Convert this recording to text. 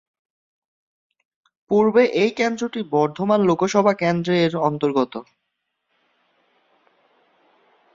পূর্বে এই কেন্দ্রটি বর্ধমান লোকসভা কেন্দ্র এর অন্তর্গত।